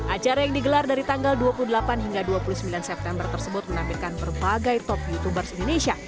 acara yang digelar dari tanggal dua puluh delapan hingga dua puluh sembilan september tersebut menampilkan berbagai top youtubers indonesia